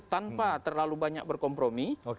tanpa terlalu banyak berkompromi